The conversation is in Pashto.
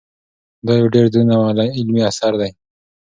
دا یو ډېر دروند او علمي اثر دی.